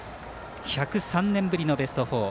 １０３年ぶりのベスト４。